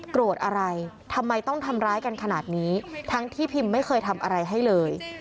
โกรธอะไรทำไมต้องทำร้ายกันขนาดนี้ทั้งที่พิมไม่เคยทำอะไรให้เลย